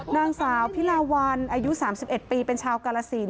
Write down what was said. นางสาวพิลาวันอายุ๓๑ปีเป็นชาวกาลสิน